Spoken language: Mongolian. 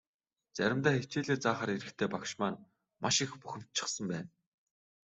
Заримдаа хичээлээ заахаар ирэхдээ багш маань маш их бухимдчихсан байна.